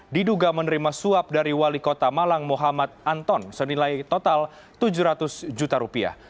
diduga menerima suap dari wali kota malang muhammad anton senilai total tujuh ratus juta rupiah